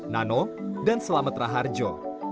nano dan selametra harjo